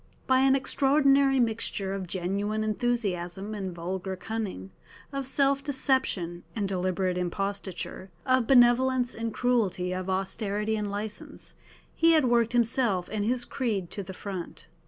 By an extraordinary mixture of genuine enthusiasm and vulgar cunning, of self deception and deliberate imposture, of benevolence and cruelty, of austerity and licence, he had worked himself and his creed to the front.